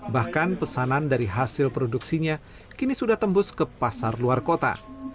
bahkan pesanan dari hasil produksinya kini sudah tembus ke pasar luar kota